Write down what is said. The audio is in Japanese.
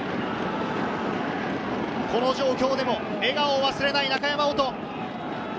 この状況でも笑顔を忘れない中山織斗。